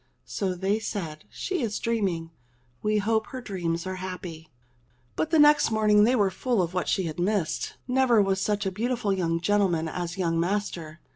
So they said, "She is dreaming. We hope her dreams are happy." But next morning they were full of what she had missed. Never was such a beautiful young gentleman as young master